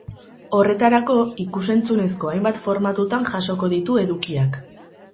Horretarako, ikus-entzunezko hainbat formatutan jasoko ditu edukiak.